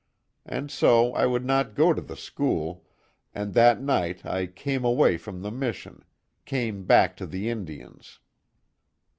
And so I would not go to the school, and that night I came away from the mission came back to the Indians."